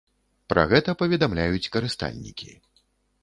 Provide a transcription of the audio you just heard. Пра гэта паведамляюць карыстальнікі.